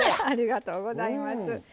ありがとうございます。